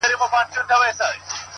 زما هيله زما د وجود هر رگ کي بهېږي~